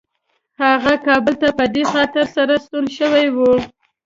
هغه کابل ته په بده خاطرې سره ستون شوی و.